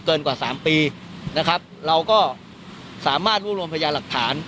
เกินกว่า๓ปีนะครับเราก็สามารถรู้รวมพยายามหลักฐาน